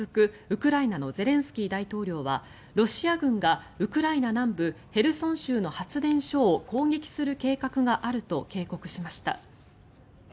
ウクライナのゼレンスキー大統領はロシア軍がウクライナ南部ヘルソン州の発電所を攻撃する計画があると警告しました。